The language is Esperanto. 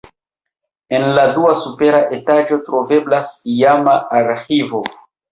En la dua supera etaĝo troveblas iama arĥivo.